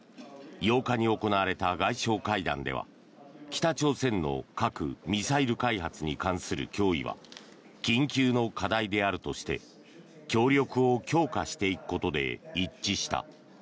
８日に行われた外相会談では北朝鮮の核・ミサイル開発に関する脅威は緊急の課題であるとして協力を強化していくことで一致した。